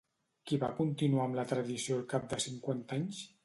Qui va continuar amb la tradició al cap de cinquanta anys?